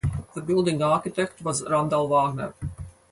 The building architect was Randall Wagner.